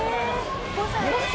５歳。